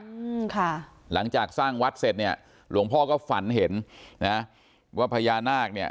อืมค่ะหลังจากสร้างวัดเสร็จเนี่ยหลวงพ่อก็ฝันเห็นนะว่าพญานาคเนี่ย